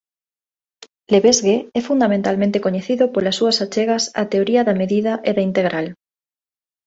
Lebesgue é fundamentalmente coñecido polas súas achegas á teoría da medida e da integral.